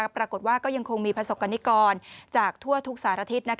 ปรากฏว่าก็ยังคงมีผสกกรณิกรจากทั่วทุกศาสตร์อาทิตย์